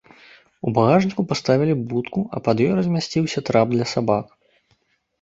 У багажніку паставілі будку, а пад ёй размясціўся трап для сабак.